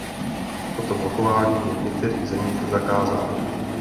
Toto blokování je v některých zemích zakázáno.